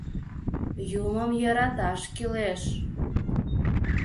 — Юмым йӧраташ кӱлеш!